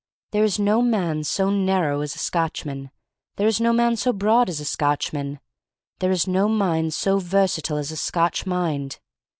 There is no man so narrow as a Scotchman. There is no man so broad as a Scotchman. There is no mind so versatile as a Scotch mind.